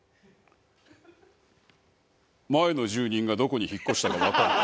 前の住人がどこに引っ越したかわかるか？